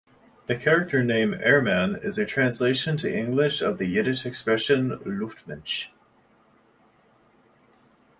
The character name Airman is a translation to English of the Yiddish expression Luftmensch.